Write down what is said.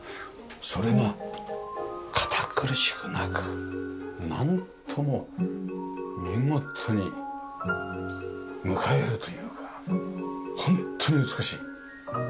それが堅苦しくなくなんとも見事に迎えるというかホントに美しい。